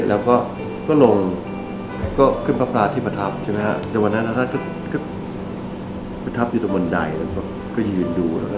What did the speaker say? เราก็แก่งตูก็ไม่เรียบร้อย